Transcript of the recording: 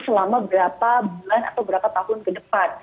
selama berapa bulan atau berapa tahun ke depan